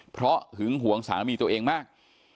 เพราะหึงหวงสามีตัวเองมาก